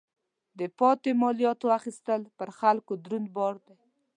د پاتې مالیاتو اخیستل پر خلکو دروند بار دی.